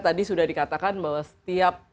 tadi sudah dikatakan bahwa setiap